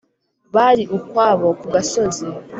Bari ukwabo ku gasozi